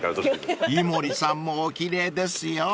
［井森さんもお奇麗ですよ］